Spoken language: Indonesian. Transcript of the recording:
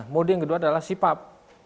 mode yang kedua adalah sipap